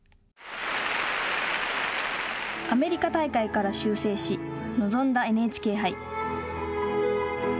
アメリカ大会から修正し臨んだＮＨＫ杯。